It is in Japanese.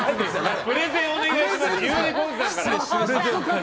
プレゼンをお願いします。